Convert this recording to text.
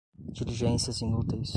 diligências inúteis